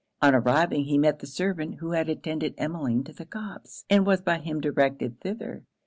On arriving, he met the servant who had attended Emmeline to the copse, and was by him directed thither.